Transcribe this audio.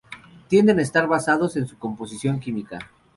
Tienden a estar basados en su composición química.